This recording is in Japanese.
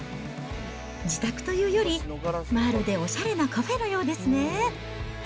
自宅というよりまるでおしゃれなカフェのようですね。